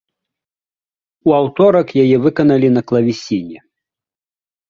У аўторак яе выканалі на клавесіне.